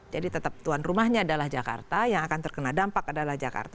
jadi tetap tuan rumahnya adalah jakarta yang akan terkena dampak adalah jakarta